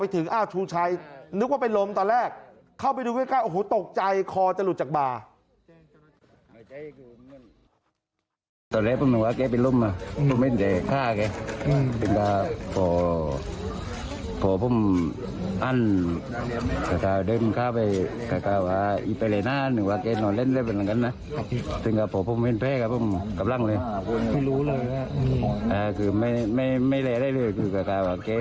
เข้าไปดูเพื่อนก้าโอ้โหตกใจคอจะหลุดจากบ่า